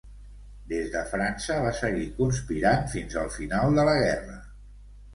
Des de França va seguir conspirant fins al final de la guerra.